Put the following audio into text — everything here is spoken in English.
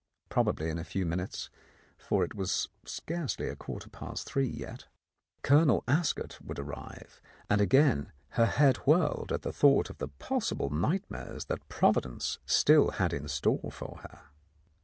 Probably in a few minutes — for it was scarcely a quarter past three yet — Colonel Ascot 20 The Countess of Lowndes Square would arrive; and again her head whirled at the thought of the possible nightmares that Providence still had in store for her.